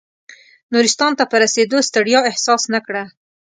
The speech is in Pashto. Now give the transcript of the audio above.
نورستان ته په رسېدو ستړیا احساس نه کړه.